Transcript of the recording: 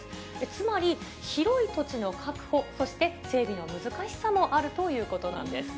つまり、広い土地の確保、そして整備の難しさもあるということなんです。